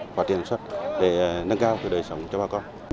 phát triển năng suất để nâng cao đời sống cho bà con